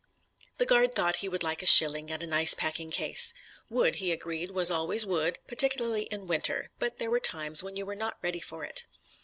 The guard thought he would like a shilling and a nice packing case. Wood, he agreed, was always wood, particularly in winter, but there were times when you were not ready for it.